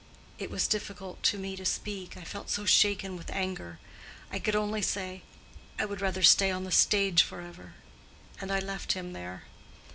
It was difficult to me to speak, I felt so shaken with anger: I could only say, 'I would rather stay on the stage forever,' and I left him there.